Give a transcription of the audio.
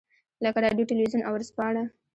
لکه رادیو، تلویزیون او ورځپاڼه.